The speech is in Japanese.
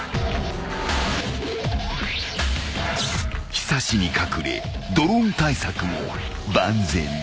［ひさしに隠れドローン対策も万全だ］